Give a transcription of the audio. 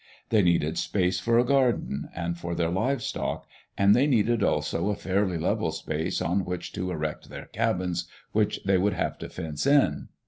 They needed space for a garden, and for their live stock, and they needed also a fairly level space on which to erect their cabins, which they would have to fence in.